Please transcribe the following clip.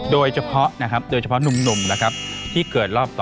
โดยเฉพาะนะครับโดยเฉพาะหนุ่มนะครับที่เกิดรอบ๒